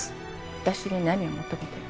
私に何を求めてるの？